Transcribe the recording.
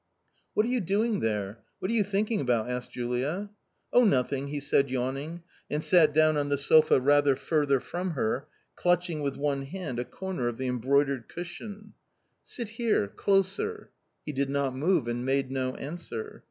"What are you doing there? what are you thinking about ?" asked Julia. " Oh, nothing !" he said yawning, and sat down on the sofa rather further from her, clutching with one hand a corner of the embroidered cushion. " Sit here, closer." He did not move, and made no answer.